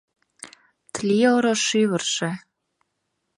Тли-оро шӱвыржӧ.